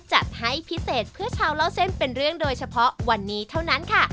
ไปเช็ดชั่วนั้นค่ะ